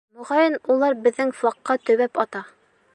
Моғайын, улар беҙҙең флагҡа төбәп ата.